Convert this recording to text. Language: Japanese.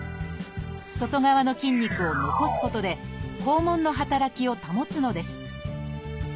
外側の筋肉を残すことで肛門の働きを保つのです。